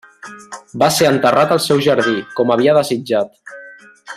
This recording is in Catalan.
Va ser enterrat al seu jardí, com havia desitjat.